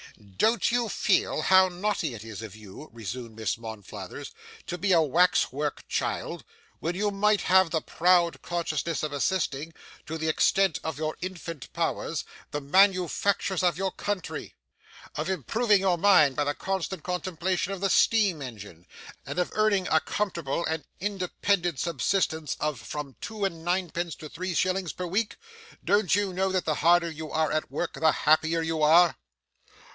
'Don't you feel how naughty it is of you,' resumed Miss Monflathers, 'to be a wax work child, when you might have the proud consciousness of assisting, to the extent of your infant powers, the manufactures of your country; of improving your mind by the constant contemplation of the steam engine; and of earning a comfortable and independent subsistence of from two and ninepence to three shillings per week? Don't you know that the harder you are at work, the happier you are?